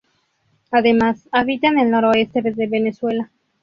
Además habita en el noroeste de Venezuela.